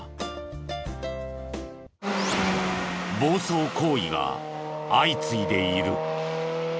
暴走行為が相次いでいる。